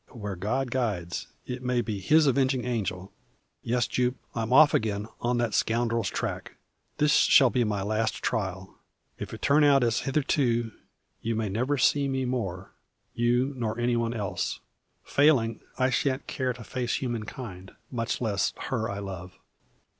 "Where God guides it may be His avenging angel. Yes, Jupe; I'm off again, on that scoundrel's track. This shall be my last trial. If it turn out as hitherto, you may never see me more you, nor any one else. Failing, I shan't care to face human kind, much less her I love.